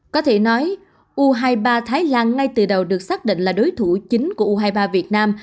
có thể nói u hai mươi ba thái lan ngay từ đầu được xác định là đối thủ chính của u hai mươi ba việt nam